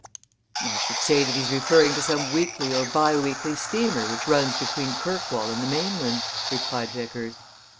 "I should say that he's referring to some weekly or bi weekly steamer which runs between Kirkwall and the mainland," replied Vickers.